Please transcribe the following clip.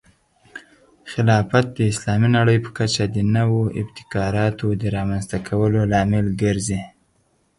خلافت د اسلامي نړۍ په کچه د نوو ابتکاراتو د رامنځته کولو لامل ګرځي.